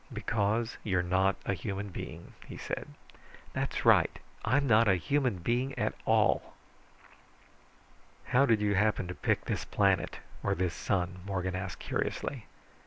"Because you're not a human being," he said. "That's right. I'm not a human being at all." "How did you happen to pick this planet, or this sun?" Morgan asked curiously.